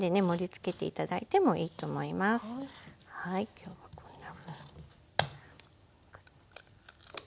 今日はこんなふうに。